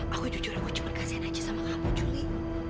aku jujur aku cuman kasihan aja sama kamu juli